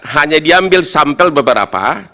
hanya diambil sampel beberapa